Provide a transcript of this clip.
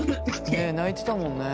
ねえ泣いてたもんね。